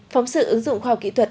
phóng sự ứng dụng khoa học kỹ thuật